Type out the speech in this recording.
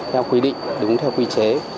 theo quy định đúng theo quy chế